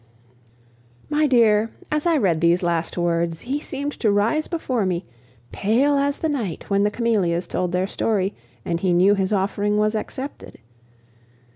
My dear, as I read these last words, he seemed to rise before me, pale as the night when the camellias told their story and he knew his offering was accepted.